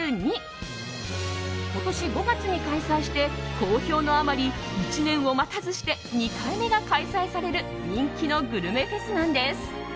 今年５月に開催して好評のあまり、１年を待たずして２回目が開催される人気のグルメフェスなんです。